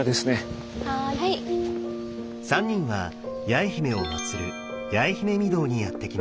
３人は八重姫をまつる八重姫御堂にやって来ました。